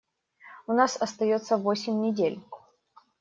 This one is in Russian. У нас остается восемь недель.